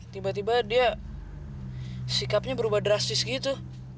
tiba tiba dia sikapnya berubah drastis gitu